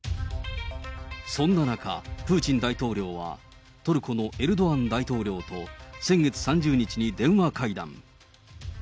そんな中、プーチン大統領は、トルコのエルドアン大統領と先月３０日に電話会談。